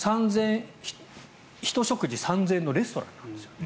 １食事３０００円のレストランなんですよね。